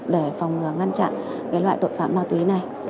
để phòng ngừa ngăn chặn loại tội phạm ma túy này